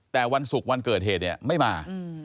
แต่วันศุกร์วันเกิดเหตุเนี่ยไม่มา